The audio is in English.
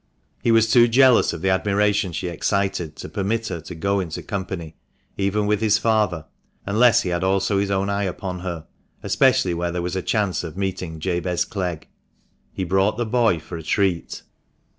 He was too jealous of the admiration she excited, to permit her to go into company, even with his father, unless he had also his own eye upon her, especially where there was a chance of meeting Jabez Clegg. He brought the boy for a treat.